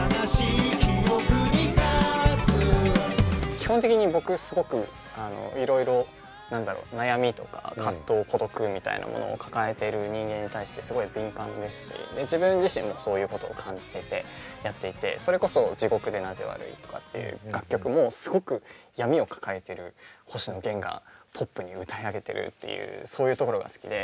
基本的に僕すごくいろいろ何だろう悩みとか葛藤孤独みたいなものを抱えている人間に対してすごい敏感ですし自分自身もそういうことを感じててやっていてそれこそ「地獄でなぜ悪い」とかっていう楽曲もすごく闇を抱えてる星野源がポップに歌い上げてるっていうそういうところが好きで。